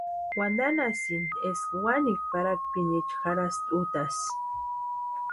Wantanhasïnti eska wanikwa parhakpiniecha jarhaska útasï.